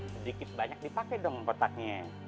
sedikit banyak dipake dong petaknya